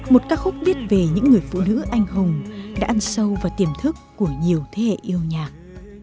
một ca khúc viết về những người phụ nữ anh hùng đã ăn sâu vào tiềm thức của nhiều thế hệ yêu nhạc